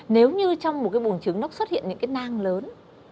nếu như trong một cái bùn trứng nó xuất hiện những cái nang lớn